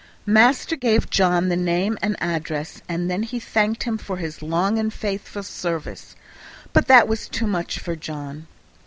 Master gave John the name and address, and then he thanked him for his long and faithful service; but that was too much for John.